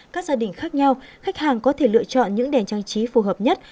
các gia đình khác nhau khách hàng có thể lựa chọn những đèn trang trí phù hợp nhất